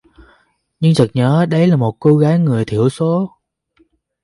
Nhưng chợt nhớ đấy là một cô gái người thiểu số